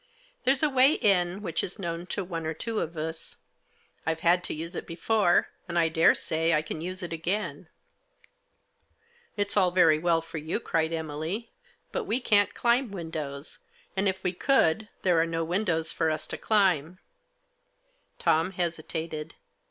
* There's a way in which is known to one or two of us ; Fvc had to use it before, and I daresay I can use it again. w Digitized by LOOKJCP OUT. 19 " It's all very well for you" cried Emily. " But we can't climb windows ; and, if we could, there are no windows for us to climb/' Tom hesitated.